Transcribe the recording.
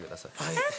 はい。